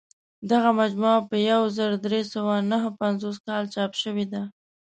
دغه مجموعه په یو زر درې سوه نهه پنځوس کال چاپ شوې ده.